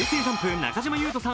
中島裕翔さん